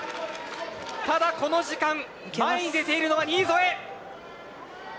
ただこの時間前に出ているのは新添。